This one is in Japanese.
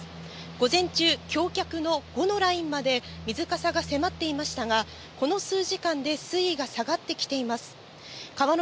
午前中、橋脚の５のラインまで水が上がっていましたが、この数時間で水位が下がってきています。